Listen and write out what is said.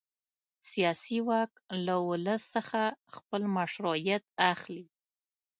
سیاسي واک له ولس څخه خپل مشروعیت اخلي.